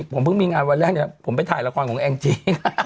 ผมเพิ่งมีงานวันแรกเนี่ยผมไปถ่ายละครของแองจี้